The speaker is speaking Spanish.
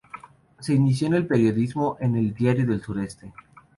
Se inició en el periodismo en el Diario del Sureste.